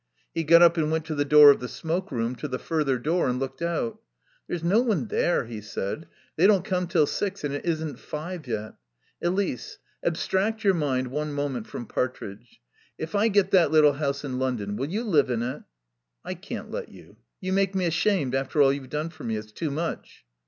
He got up and went to the door of the smoke room, to the further door, and looked out. "There's no one there," he said. "They don't come 'till six and it isn't five yet.... Elise abstract your mind one moment from Partridge. If I get that little house in London, will you live in it?" "I can't let you. You make me ashamed, after all you've done for me. It's too much."